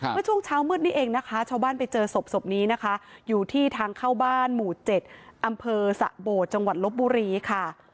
เมื่อช่วงเช้ามืดนี้เองนะคะชาวบ้านไปเจอศพนี้นะคะอยู่ที่ทางเข้าบ้านหมู่๗อำเภอสะโบดจังหวัดลบบุรีค่ะ